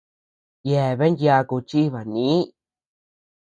Yeaben yaku chiiba nïi.